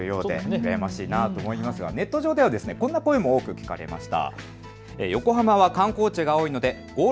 うらやましいなと思いますがネット上ではこんな声も多く聞かれました。